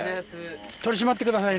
取り締まってください。